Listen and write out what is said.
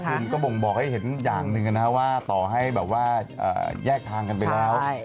คุณก็บ่งบอกให้เห็นอย่างหนึ่งนะครับว่าต่อให้แบบว่าแยกทางกันไปแล้ว